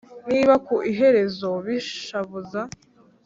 Niba ku iherezo bishavuza